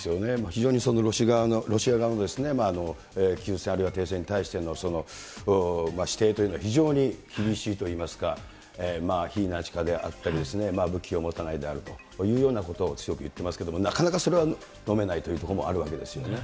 非常にロシア側の休戦、あるいは停戦に対しての指定というのは非常に厳しいといいますか、非ナチ化であったりとか、武器を持たないであるというようなことを強く言っていますけれども、なかなかそれはのめないというところもあるわけですよね。